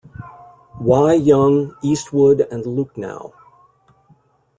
Wy Yung, Eastwood and Lucknow.